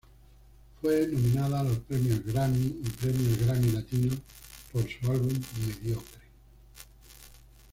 Fue nominada a los Premios Grammy y Premios Grammy Latinos por su álbum "Mediocre".